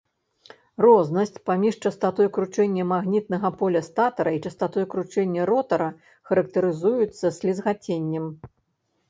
Рознасць паміж частатой кручэння магнітнага поля статара і частатой кручэння ротара характарызуецца слізгаценнем.